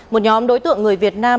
một nhóm đối tượng người việt nam